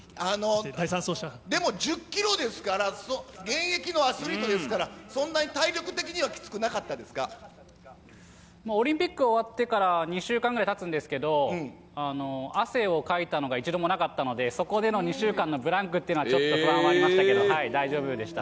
でも１０キロですから、現役のアスリートですから、そんなに体力的にはきつくなかっオリンピック終わってから、２週間ぐらいたつんですけど、汗をかいたのが一度もなかったので、そこでの２週間のブランクっていうのは、ちょっと不安はありましたけど、大丈夫でした。